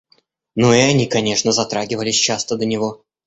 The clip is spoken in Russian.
Но и они, конечно, затрагивались часто до него.